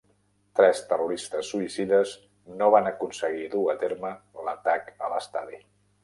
Tres terroristes suïcides no van aconseguir dur a terme l'atac a l'estadi.